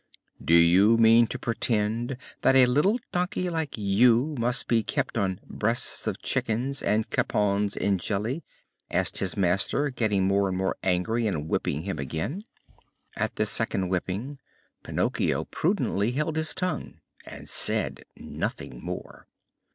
"Do you mean to pretend that a little donkey like you must be kept on breasts of chickens, and capons in jelly?" asked his master, getting more and more angry, and whipping him again. At this second whipping Pinocchio prudently held his tongue and said nothing more.